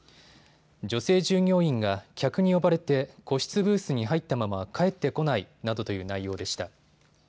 女性従業員が客に呼ばれて個室ブースに入ったまま、帰ってこないなどという内容でした。